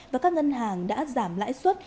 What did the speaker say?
và các ngân hàng đã giảm lãi suất